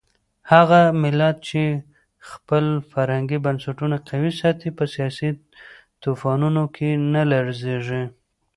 هغه ملت چې خپل فرهنګي بنسټونه قوي ساتي په سیاسي طوفانونو کې نه لړزېږي.